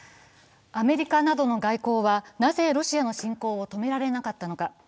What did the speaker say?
アメリカなどの外交はなぜロシアの侵攻を止められなかったのか。